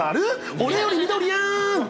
俺より緑やーん。